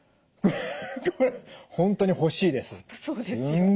これ本当に欲しいです。